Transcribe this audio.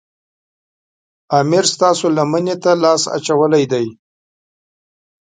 امیر ستاسو لمنې ته لاس اچولی دی.